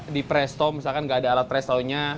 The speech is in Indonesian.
di presto misalkan nggak ada alat prestonya